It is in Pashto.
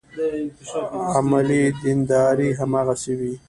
عملي دینداري هماغسې وي.